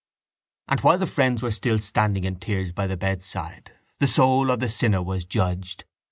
And while the friends were still standing in tears by the bedside the soul of the sinner was judged.